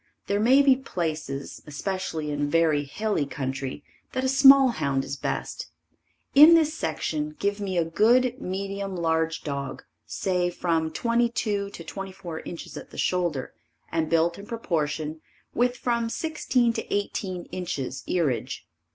There may be places, especially in very hilly country, that a small hound is best. In this section, give me a good, medium large dog, say from 22 to 24 inches at shoulder and built in proportion with from 16 to 18 inches earage.